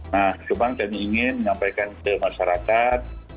nah sekarang kami ingin menyampaikan ke masyarakat